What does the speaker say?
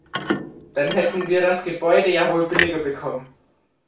Dann hätten wir das Gebäude ja wohl billiger bekommen.